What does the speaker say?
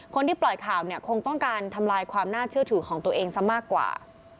คนที่ปล่อยข่าวเนี่ยคงต้องการทำลายความน่าเชื่อถือของตัวเองซะมากกว่า